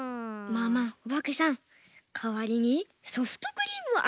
まあまあおばけさんかわりにソフトクリームをあげましょう。